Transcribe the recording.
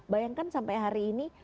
bayangkan sampai hari ini